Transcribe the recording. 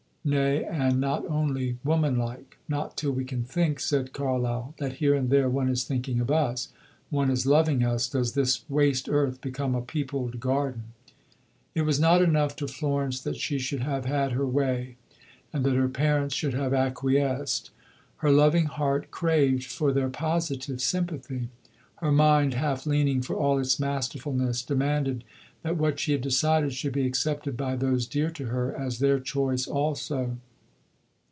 Nay, and not only woman like. "Not till we can think," said Carlyle, "that here and there one is thinking of us, one is loving us, does this waste earth become a peopled garden." It was not enough to Florence that she should have had her way and that her parents should have acquiesced. Her loving heart craved for their positive sympathy; her mind, half leaning for all its masterfulness, demanded that what she had decided should be accepted by those dear to her as their choice also.